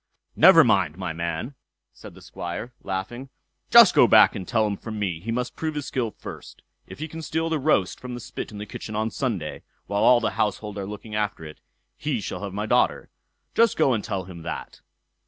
"Never mind, my man", said the Squire, laughing; "just go back and tell him from me, he must prove his skill first. If he can steal the roast from the spit in the kitchen on Sunday, while all the household are looking after it, he shall have my daughter. Just go and tell him that."